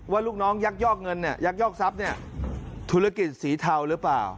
ลูกน้องยักยอกเงินเนี่ยยักยอกทรัพย์เนี่ยธุรกิจสีเทาหรือเปล่า